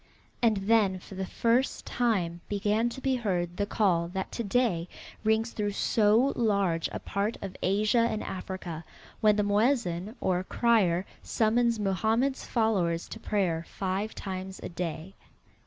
And then for the first time began to be heard the call that to day rings through so large a part of Asia and Africa, when the muezin, or crier, summons Mohammed's followers to prayer five times a day.